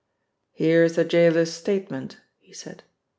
"Here is the jailer's statement," he said.